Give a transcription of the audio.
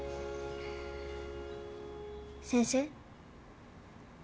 先生。